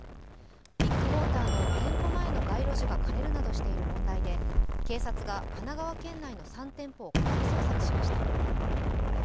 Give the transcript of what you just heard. ビッグモーターの店舗前の街路樹が枯れるなどしている問題で警察が神奈川県内の３店舗を家宅捜索しました。